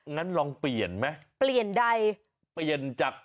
งั้นลองเปลี่ยนไหมเปลี่ยนใดเปลี่ยนจาก